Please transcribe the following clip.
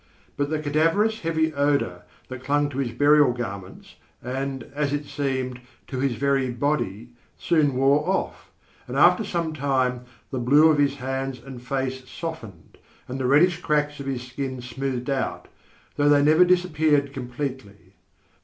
But the cadaverous, heavy odour that clung to his burial garments and, as it seemed, to his very body, soon wore off, and after some time the blue of his hands and face softened, and the reddish cracks of his skin smoothed out, though they never disappeared completely.